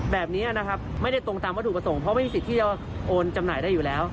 แบบนี้นะครับไม่ได้ตรงตามวัตถุประสงค์เพราะไม่มีสิทธิ์ที่จะโอนจำหน่ายได้อยู่แล้ว